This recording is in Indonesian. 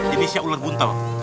jenisnya ular buntel